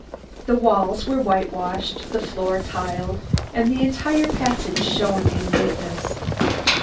The walls were whitewashed, the floor tiled and the entire passage shone in neatness.